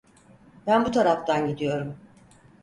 Ben bu taraftan gidiyorum.